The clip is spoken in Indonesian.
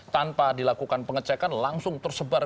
tanpa dilakukan pengecekan langsung tersebar